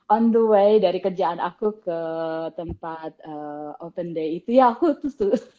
on the way dari kerjaan aku ke tempat open day itu ya khusus